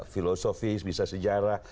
filosofis bisa sejarah